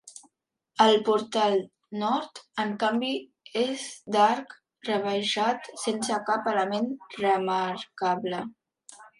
El portal nord, en canvi, és d'arc rebaixat sense cap element remarcable.